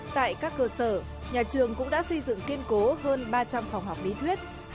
tại các cơ sở nhà trường cũng đã xây dựng kiên cố hơn ba trăm linh phòng học lý thuyết